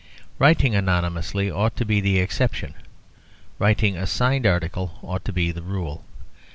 Writing anonymously ought to be the exception; writing a signed article ought to be the rule.